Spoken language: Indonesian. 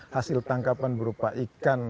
hasil tangkapan berupa ikan